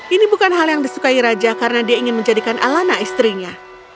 ini bukan hal yang disukai raja karena dia ingin menjadikan alana istrinya